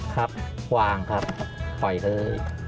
ครับวางครับปล่อยเค้ย